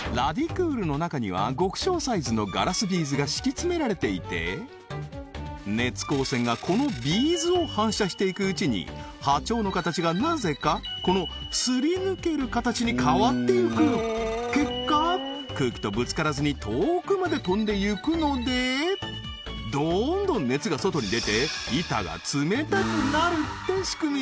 クールの中には極小サイズのガラスビーズが敷き詰められていて熱光線がこのビーズを反射していくうちに波長の形がなぜかこのすり抜ける形に変わっていく結果空気とぶつからずに遠くまで飛んでいくのでどんどん熱が外に出て板が冷たくなるって仕組み